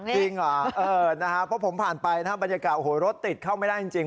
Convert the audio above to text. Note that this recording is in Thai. จริงหรอเพราะผมผ่านไปบรรยากาศรถติดเข้าไม่ได้จริง